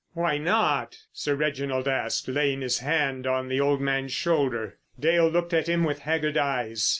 "Why not?" Sir Reginald asked, laying his hand on the old man's shoulder. Dale looked at him with haggard eyes.